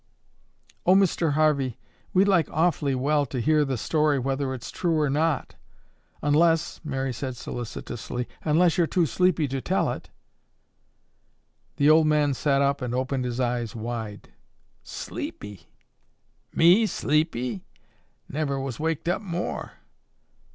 "Oh, Mr. Harvey, we'd like awfully well to hear the story whether it's true or not, unless," Mary said solicitously, "unless you're too sleepy to tell it." The old man sat up and opened his eyes wide. "Sleepy, me sleepy? Never was waked up more!